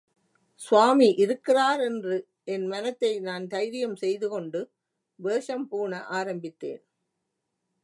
ஸ்வாமி இருக்கிறாரென்று என் மனத்தை நான் தைரியம் செய்துகொண்டு, வேஷம் பூண ஆரம்பித்தேன்.